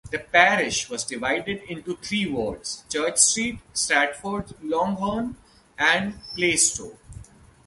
The parish was divided into three wards: Church-street, Stratford-Langthorne, and Plaistow.